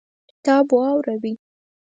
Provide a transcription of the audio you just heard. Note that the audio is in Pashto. کتاب واوړوئ